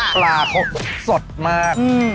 ปลาเขาสดมาก